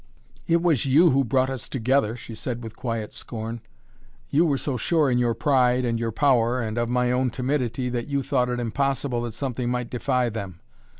"It was you who brought us together!" she said with quiet scorn. "You were so sure in your pride and your power and of my own timidity that you thought it impossible that something might defy them.